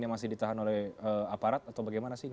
yang masih ditahan oleh aparat atau bagaimana sih